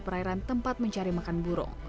perairan tempat mencari makan burung